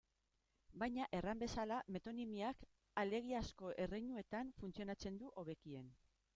Baina, erran bezala, metonimiak alegiazko erreinuetan funtzionatzen du hobekien.